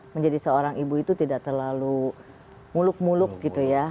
menjadi seorang ibu itu tidak terlalu muluk muluk gitu ya